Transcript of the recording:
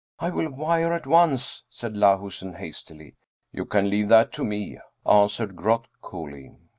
I will wire at once," said Lahusen hastily. " You can leave that to me," answered Groth coolly.